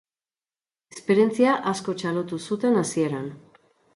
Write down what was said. Esperientzia asko txalotu zuten hasieran.